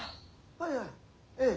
はいはいええ。